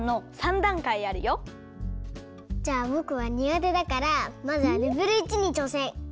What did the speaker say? じゃあぼくはにがてだからまずはレベル１にちょうせん。